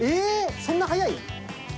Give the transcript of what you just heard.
そんな速い。